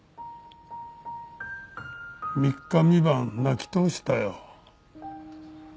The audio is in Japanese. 三日三晩泣きとおしたよ。